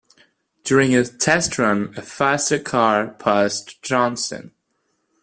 During a test run a faster car passed Johnson.